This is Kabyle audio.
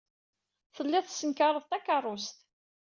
Telliḍ tessenkareḍ takeṛṛust.